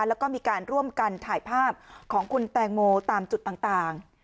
แล้วก็มีการร่วมกันถ่ายภาพของคุณแตงโมตามจุดต่าง